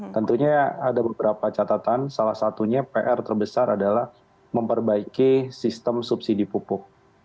tentunya ada beberapa catatan salah satunya pr terbesar adalah memperbaiki sistem subsidi pupuk